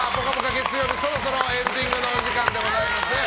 月曜日そろそろエンディングのお時間でございます。